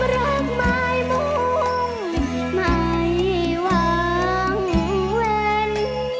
สร้างความรักไม่มุ่งไม่หวังเว้น